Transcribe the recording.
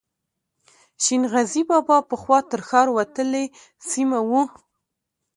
شین غزي بابا پخوا تر ښار وتلې سیمه وه.